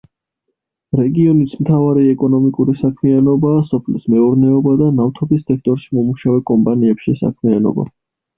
რეგიონის მთავარი ეკონომიკური საქმიანობაა სოფლის მეურნეობა და ნავთობის სექტორში მომუშავე კომპანიებში საქმიანობა.